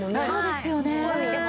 そうですよね。